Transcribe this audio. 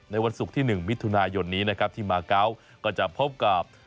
ในวันศุกร์ที่๑มิถุนายนที่มาเก้าก็จะพบกับ